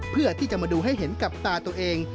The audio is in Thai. เพื่อที่จะมาดูให้เห็นกับตาตัวเอง